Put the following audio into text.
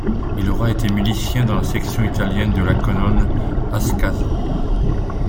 Il aurait été milicien dans la section italienne de la Colonne Ascaso.